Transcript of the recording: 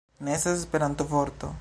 Ne estas Esperanto-vorto